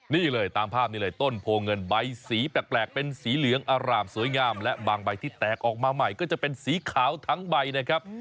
นี่เลยตามภาพนี้เลยต้นโพเงินใบสีแปลกเป็นสีเหลืองอร่ามสวยงามและบางใบที่แตกออกมาใหม่ก็จะเป็นสีขาวทั้งใบนะครับ